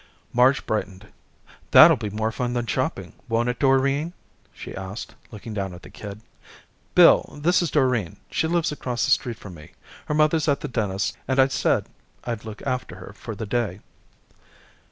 Marge brightened. "That'll be more fun than shopping, won't it, Doreen?" she asked, looking down at the kid. "Bill, this is Doreen. She lives across the street from me. Her mother's at the dentist and I said I'd look after her for the day."